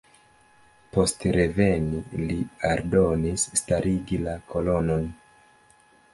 Post reveni li ordonis starigi la kolonon.